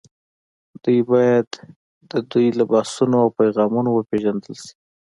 دوی باید د دوی له بحثونو او پیغامونو وپېژندل شي